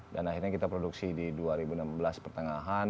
dan akhirnya kita produksi di dua ribu enam belas pertengahan